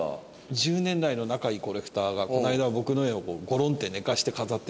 １０年来の仲いいコレクターがこの間僕の絵をゴロンって寝かせて飾ってて。